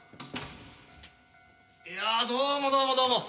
いやどうもどうもどうも。